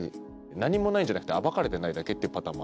何もないんじゃなくて暴かれてないだけっていうパターンも。